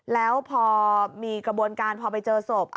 แล้วพอมีกระบวนการพอไปเจอศพ